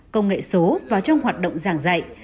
công nghệ số vào trong hoạt động giảng dạy